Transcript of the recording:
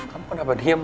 kamu kenapa diem